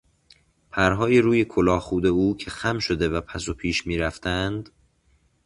پرهای روی کلاهخود او که خم شده و پس و پیش میرفتند